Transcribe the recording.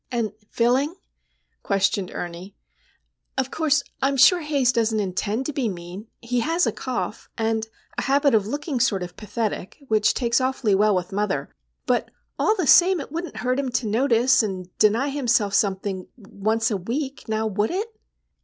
"And filling?" questioned Ernie. "Of course, I'm sure Haze doesn't intend to be mean. He has a cough, and a habit of looking sort of pathetic, which takes awfully well with mother; but, all the same, it wouldn't hurt him to notice, and deny himself something once a week,—now would it?"